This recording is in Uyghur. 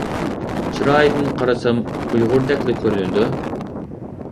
چىرايىدىن قارىسام ئۇيغۇردەكلا كۆرۈنىدۇ.